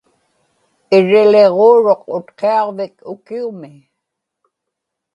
irriliġuuruq Utqiaġvik ukiumi